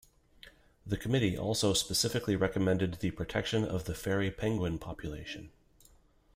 The Committee also specifically recommended the protection of the fairy penguin population.